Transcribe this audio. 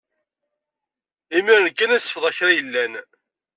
Imir-a kan ay sefḍeɣ krayellan.